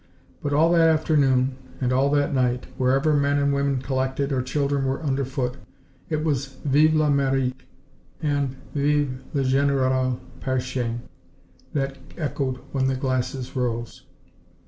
But all that afternoon and all that night, wherever men and women collected, or children were underfoot, it was "Vive l'Amérique" and "Vive le Generale Pair shang" that echoed when the glasses rose.